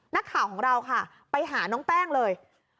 นักข่าวของเราค่ะไปหาน้องแป้งเลย